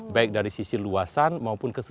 baik dari sisi luasan maupun keseluruh